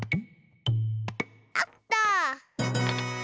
あった！